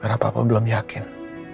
karena papa belum yakin